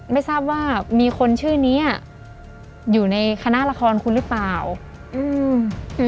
ไม่ทราบว่ามีคนชื่อนี้อ่ะอยู่ในคณะละครคุณหรือเปล่าอืม